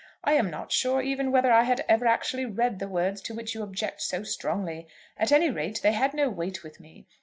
I am not sure even whether I had ever actually read the words to which you object so strongly. At any rate, they had had no weight with me.